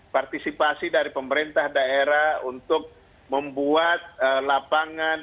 partisipasi dari pemerintah daerah untuk membuat lapangan